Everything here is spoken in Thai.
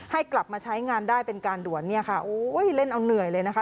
ให้กลับมาใช้งานได้เป็นการด่วนเนี่ยค่ะโอ้ยเล่นเอาเหนื่อยเลยนะคะ